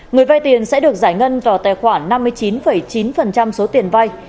người vai tiền sẽ được giải ngân vào tài khoản năm mươi chín chín số tiền vai